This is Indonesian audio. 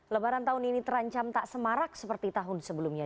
lebaran tahun ini terancam tak semarak seperti tahun sebelumnya